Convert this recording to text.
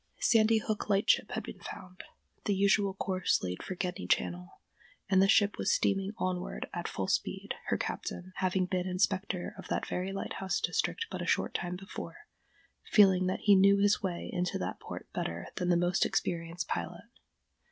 Sandy Hook Lightship had been found, the usual course laid for Gedney Channel, and the ship was steaming onward at full speed, her captain, having been inspector of that very lighthouse district but a short time before, feeling that he knew his way into that port better than the most experienced pilot.